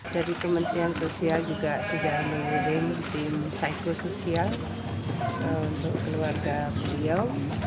dari kementerian sosial juga sudah mengirim tim psikosoial untuk keluarga beliau